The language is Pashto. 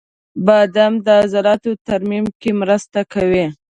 • بادام د عضلاتو ترمیم کې مرسته کوي.